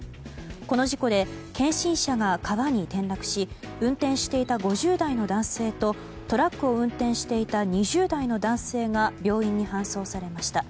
この事故で検診車が川に転落し運転していた５０代の男性とトラックを運転していた２０代の男性が病院に搬送されました。